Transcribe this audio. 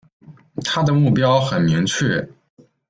他的目标很明确